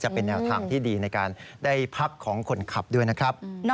จะเป็นแนวทางที่ดีในการได้พักของคนขับด้วยนะครับ